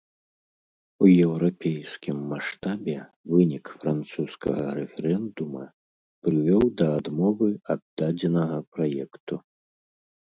У еўрапейскім маштабе вынік французскага рэферэндума прывёў да адмовы ад дадзенага праекту.